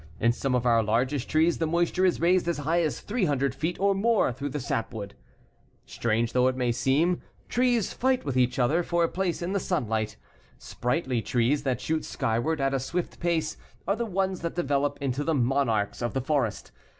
In some of our largest trees the moisture is raised as high as 300 feet or more through the sapwood. Strange though it may seem, trees fight with each other for a place in the sunlight. Sprightly trees that shoot skyward at a swift pace are the ones that develop into the monarchs of the forest.